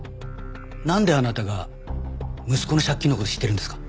なんであなたが息子の借金の事知ってるんですか？